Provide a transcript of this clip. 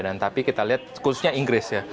dan tapi kita lihat khususnya inggris ya